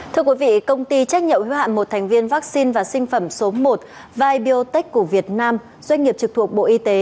thưa quý vị công ty trách nhậu hiếu hạn một thành viên vaccine và sinh phẩm số một vibeotech của việt nam doanh nghiệp trực thuộc bộ y tế